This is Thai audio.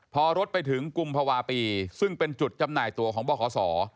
พอรถไปถึงกุมภาวะปีซึ่งเป็นจุดจำหน่ายตัวของบขศ